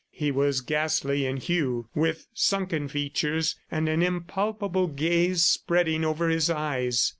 He was ghastly in hue, with sunken features and an impalpable glaze spreading over his eyes.